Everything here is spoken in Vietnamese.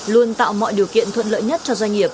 luôn tạo mọi điều kiện thuận lợi nhất cho doanh nghiệp